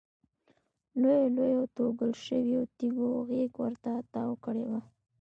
لویو لویو توږل شویو تیږو غېږ ورته تاو کړې وه.